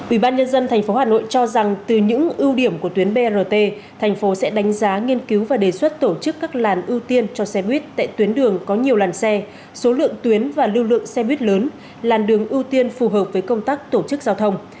ủy ban nhân dân tp hà nội cho rằng từ những ưu điểm của tuyến brt thành phố sẽ đánh giá nghiên cứu và đề xuất tổ chức các làn ưu tiên cho xe buýt tại tuyến đường có nhiều làn xe số lượng tuyến và lưu lượng xe buýt lớn làn đường ưu tiên phù hợp với công tác tổ chức giao thông